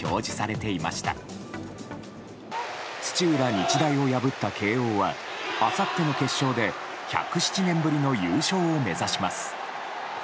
日大を破った慶應はあさっての決勝で１０７年ぶりの優勝を目指します。